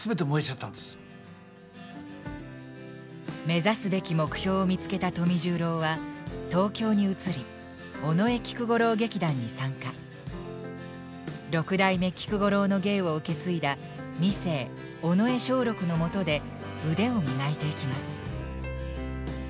目指すべき目標を見つけた富十郎は六代目菊五郎の芸を受け継いだ二世尾上松緑のもとで腕を磨いていきます。